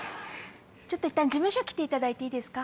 いったん事務所来ていただいていいですか？